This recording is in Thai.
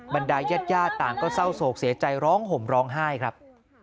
บรรดายญาติญาติต่างก็เศร้าโศกเสียใจร้องห่มร้องไห้ครับ